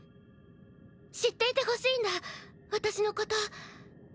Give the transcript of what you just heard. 知っていてほしいんだ私のこと。